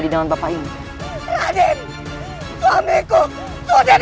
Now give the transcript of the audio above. sudah banyak orang orang yang dibunuh oleh prabu siliwangi